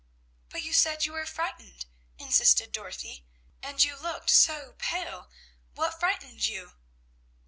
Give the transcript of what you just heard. "But you said you were frightened," insisted Dorothy, "and you looked so pale; what frightened you?"